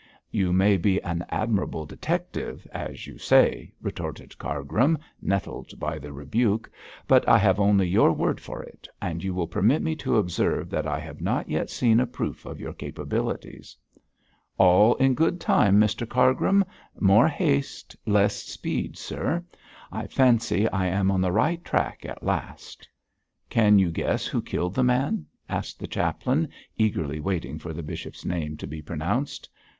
'You may be an admirable detective, as you say,' retorted Cargrim, nettled by the rebuke, 'but I have only your word for it; and you will permit me to observe that I have not yet seen a proof of your capabilities.' 'All in good time, Mr Cargrim. More haste less speed, sir. I fancy I am on the right track at last.' 'Can you guess who killed the man?' asked the chaplain, eagerly waiting for the bishop's name to be pronounced.